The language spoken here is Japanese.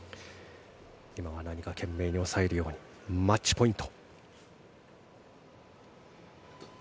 今は何か懸命に抑えるようにマッチポイント。